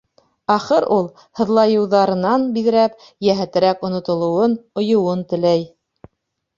Ахыр ул, һыҙлайыуҙарынан биҙрәп, йәһәтерәк онотолоуын, ойоуын теләй.